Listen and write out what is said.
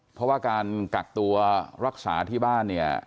เพราะว่าการกักตัวรักษาที่บ้านเนี่ย